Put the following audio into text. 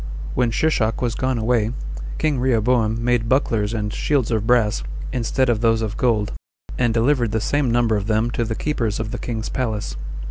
4. When Shishak was gone away, king Rehoboam made bucklers and shields of brass, instead of those of gold, and delivered the same number of them to the keepers of the king's palace.